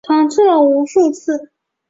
尝试了无数次